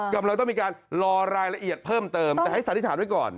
กำลังต้องมีการรอรายละเอียดเพิ่มเติมแต่ให้สันนิษฐานไว้ก่อน